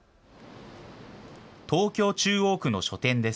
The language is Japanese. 東京・中央区の書店です。